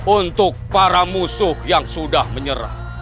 untuk para musuh yang sudah menyerah